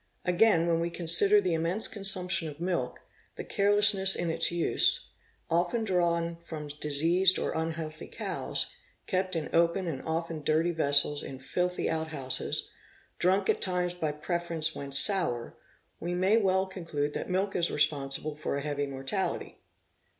Again when ve consider the immense consumption of milk, the carelessness in its ise—often drawn from diseased or unhealthy cows, kept in open and 'often dirty vessels in filthy outhouses, drunk at times by preference a i i i a i wh en sour, we may well conclude that milk is responsible for a heavy iortality.